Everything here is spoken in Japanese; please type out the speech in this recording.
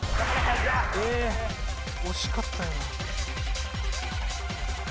惜しかったよな。